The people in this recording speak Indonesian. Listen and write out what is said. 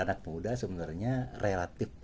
anak muda sebenarnya relatif